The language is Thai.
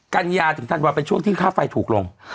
กัญญาถึงธันวาเป็นช่วงที่ค่าไฟถูกลง